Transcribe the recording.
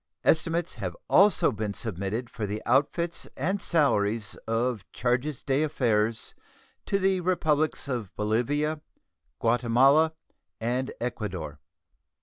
Estimates have also been submitted for the outfits and salaries of charges' d'affaires to the Republics of Bolivia, Guatemala, and Ecuador.